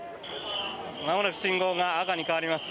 まもなく信号が赤に変わります。